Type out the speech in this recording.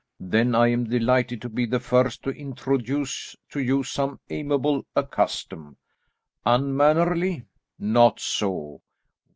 "Then I am delighted to be the first to introduce to you so amiable a custom. Unmannerly? Not so.